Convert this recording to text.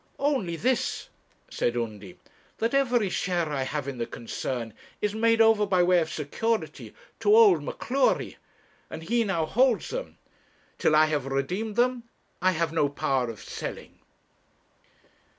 'Only this,' said Undy, 'that every share I have in the concern is made over by way of security to old M'Cleury, and he now holds them. Till I have redeemed them, I have no power of selling.'